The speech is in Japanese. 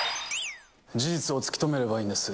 事実を突き止めればいいんです。